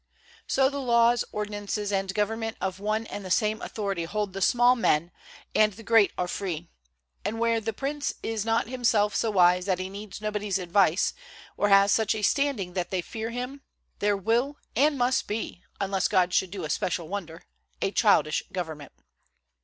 So the laws, ordinances and government of one and the same authority hold the small men, and the great are free; and where the prince is not himself so wise that he needs nobody's advice, or has such a standing that they fear him, there will and must be (unless God should do a special wonder) a childish government.